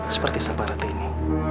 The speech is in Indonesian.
seperti seperti ini